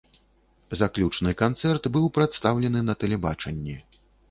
Заключны канцэрт быў прадстаўлены на тэлебачанні.